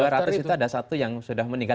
dua ratus itu ada satu yang sudah meninggal